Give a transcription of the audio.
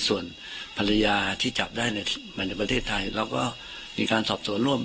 ส่วนภรรยาที่จับได้ในประเทศไทยเราก็มีการสอบสวนร่วม